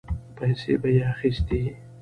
پيسې به يې اخيستې.